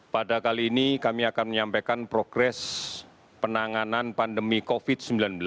pada kali ini kami akan menyampaikan progres penanganan pandemi covid sembilan belas